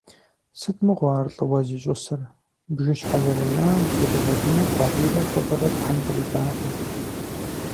Сыт мыгъуэ ар лӀыуэ зищӀысыр, – бжыщхьэ зэрына зэригъэкӀыну къарурэ лӀыгъэрэ Тхьэм къритакъым.